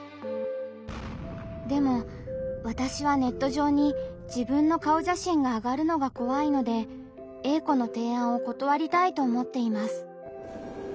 でもわたしはネット上に自分の顔写真があがるのが怖いのでＡ子の提案を断りたいと思っています。